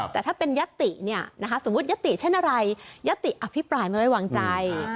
ถ้าเป็นยตินะคะสมมติยติเช่นอะไรยติอภิปรายไม่ได้วางใจ